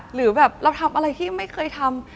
หรือแบบเราทำอะไรที่ไม่เคยทำ